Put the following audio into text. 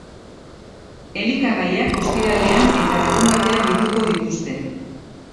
Elikagaiak ostiralean eta larunbatean bidaliko dituzte.